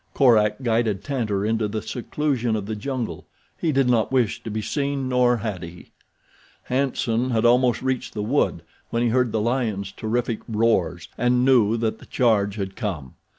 Korak guided Tantor into the seclusion of the jungle. He did not wish to be seen, nor had he. Hanson had almost reached the wood when he heard the lion's terrific roars, and knew that the charge had come.